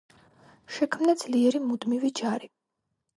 შექმნა ძლიერი მუდმივი ჯარი.